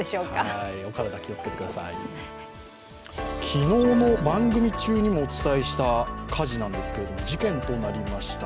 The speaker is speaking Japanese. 昨日の番組中にもお伝えした火事なんですけど事件となりました。